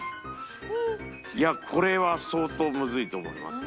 いやこれは相当むずいと思いますよ。